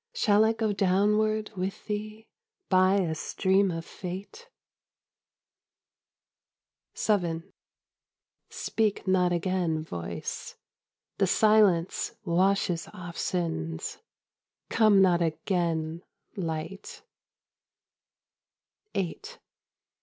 Shall I go downward with thee By a stream of Fate ? VII , Speak not again, Voice ! The silence washes off sins : Come not again. Light